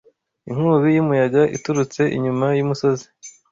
Inkubi y'umuyaga iturutse inyuma y'umusozi